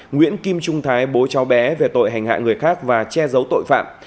nguyễn kim trung thái bố cháu bé về tội hành hạ người khác và che giấu tội phạm